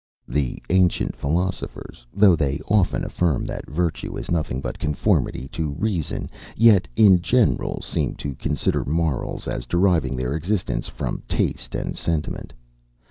The ancient philosophers, though they often affirm that virtue is nothing but conformity to reason, yet, in general, seem to consider morals as deriving their existence from taste and sentiment.